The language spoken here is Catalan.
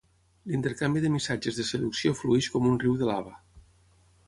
L'intercanvi de missatges de seducció flueix com un riu de lava.